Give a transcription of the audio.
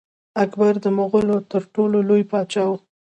اکبر د مغولو تر ټولو لوی پاچا و.